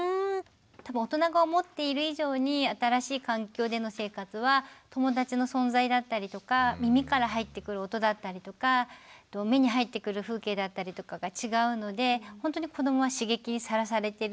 多分大人が思っている以上に新しい環境での生活は友達の存在だったりとか耳から入ってくる音だったりとか目に入ってくる風景だったりとかが違うので本当に子どもは刺激にさらされていると思うんですね。